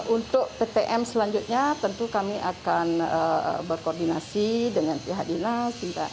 untuk ptm selanjutnya tentu kami akan berkoordinasi dengan pihak dinas